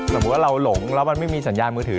สมมุติว่าเราหลงแล้วมันไม่มีสัญญาณมือถือ